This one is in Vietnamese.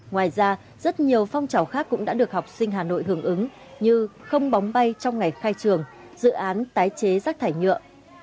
ngoài ra rất nhiều phong trào khác cũng đã được học sinh hà nội hưởng ứng như không bóng bay trong ngày khai trường dự án tái chế rác thải nhựa